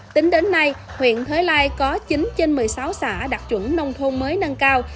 tính đến nay huyện thới lai có chín trên một mươi sáu xã đạt chuẩn nông thôn mới nâng cao